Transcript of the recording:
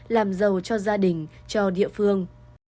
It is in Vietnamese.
làm giàu cho gia đình cho địa phương